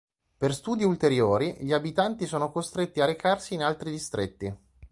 Per studi ulteriori, gli abitanti sono costretti a recarsi in altri distretti.